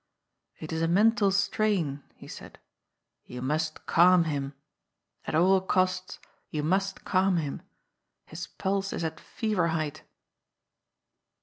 ^^ It is a mental strain," he said. ^' You must calm him. At all costs you must calm him. His pulse is at fever height."